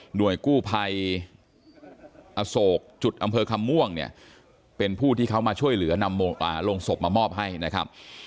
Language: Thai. กู้ภัยอโศกจุดอำเภอคำม่วงเนี่ยเป็นผู้ที่เขามาช่วยเหลือนำโรงศพมามอบให้นะครับ